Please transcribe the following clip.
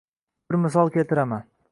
Bir misol keltiraman